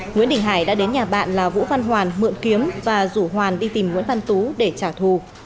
nguyễn đình hải đã đến nhà bạn là vũ văn hoàn mượn kiếm và rủ hoàn đi tìm nguyễn văn tú để trả thù